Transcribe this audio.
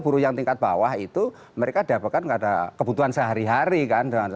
buruh yang tingkat bawah itu mereka dapatkan pada kebutuhan sehari hari kan